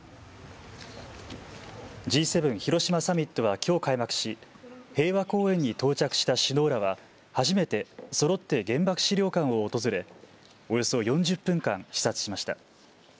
Ｇ７広島サミットはきょう開幕し平和公園に到着した首脳らは初めてそろって原爆資料館を訪れ、およそ４０分間視察しました。